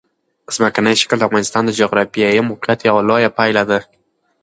ځمکنی شکل د افغانستان د جغرافیایي موقیعت یوه لویه پایله ده.